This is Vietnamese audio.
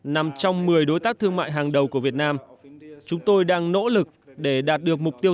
nằm trong một mươi đối tác thương mại hàng đầu của việt nam chúng tôi đang nỗ lực để đạt được mục tiêu